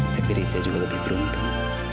tapi riza juga lebih beruntung